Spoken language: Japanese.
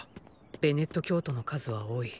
ベネット教徒の数は多い。